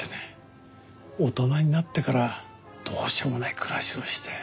大人になってからどうしようもない暮らしをして。